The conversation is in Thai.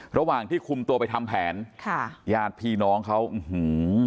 ระหว่างที่คุมตัวไปทำแผนค่ะญาติพี่น้องเขาอื้อหือ